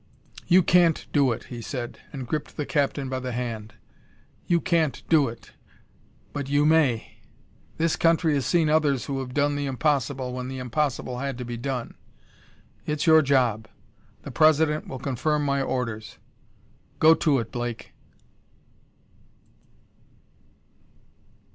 "You can't do it," he said, and gripped the Captain by the hand; "you can't do it but you may. This country has seen others who have done the impossible when the impossible had to be done. It's your job; the President will confirm my orders. Go to it, Blake!"